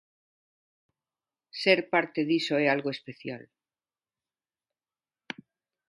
Ser parte diso é algo especial.